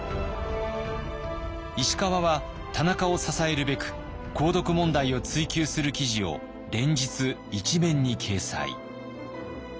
石川は田中を支えるべく鉱毒問題を追及する記事を連日１面に掲載。